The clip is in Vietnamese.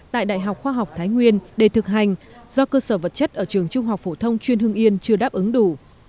tại đại học khoa học thái nguyên để thực hành do cơ sở vật chất ở trường trung học phổ thông chuyên hương yên chưa đáp ứng đủ